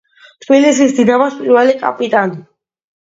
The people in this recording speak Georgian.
თბილისის „დინამოს“ პირველი კაპიტანი.